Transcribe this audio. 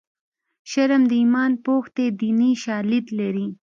شرم د ایمان پوښ دی دیني شالید لري